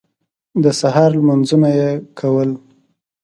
د سهار لمونځونه یې کول.